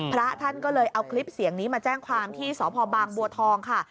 พระท่านก็เลยเอาคลิปเสียงนี้มาแจ้งความที่สพบางบัวทองค่ะ